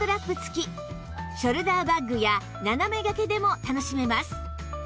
ショルダーバッグや斜め掛けでも楽しめます